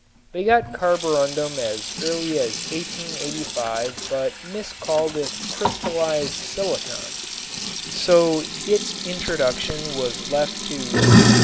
They got carborundum as early as 1885 but miscalled it "crystallized silicon," so its introduction was left to E.